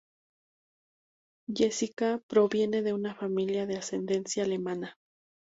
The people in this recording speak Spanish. Jessica, proviene de una familia de ascendencia alemana.